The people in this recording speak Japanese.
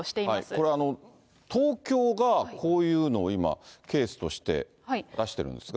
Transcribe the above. これは、東京がこういうのを今、ケースとして出してるんですが。